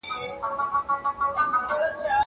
که وخت وي، مړۍ خورم!